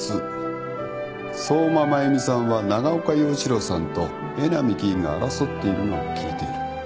相馬真弓さんは長岡洋一郎さんと江波議員が争っているのを聞いている。